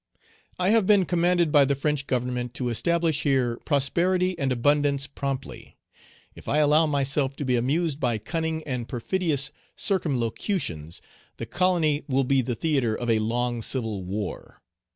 "I have been commanded by the French Government to establish here prosperity and abundance promptly; if I allow myself to be amused by cunning and perfidious ciruumlocutions, the colony will be the theatre of a long civil war.